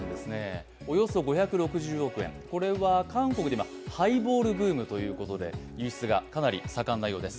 これは今、韓国でハイボールブームということで輸出がかなり盛んなようです。